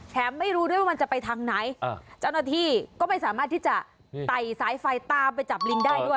ไม่รู้ด้วยว่ามันจะไปทางไหนเจ้าหน้าที่ก็ไม่สามารถที่จะไต่สายไฟตามไปจับลิงได้ด้วย